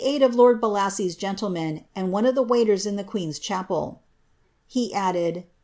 J rf lord Btllasys's gentleman, and one of the waiters in the qui ^ :rs ehajK 1." He added.